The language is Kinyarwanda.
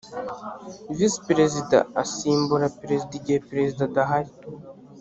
visi perezida asimbura perezida igihe perezida adahari.